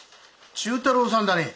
忠太郎さんだね？